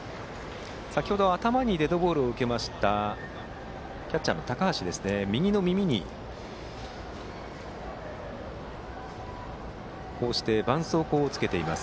先程、頭にデッドボールを受けたキャッチャーの高橋、右の耳にばんそうこうをつけています。